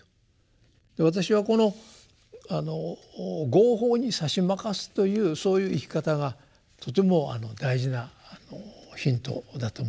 私はこの「業報にさしまかす」というそういう生き方がとても大事なヒントだと思いますね。